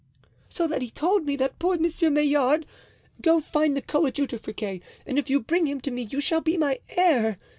"So that he told me, that poor Monsieur Maillard, 'Go find the coadjutor, Friquet, and if you bring him to me you shall be my heir.